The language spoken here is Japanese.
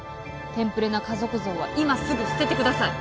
テンプレな家族像は今すぐ捨ててください。